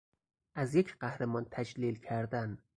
از یک قهرمان تجلیل کردن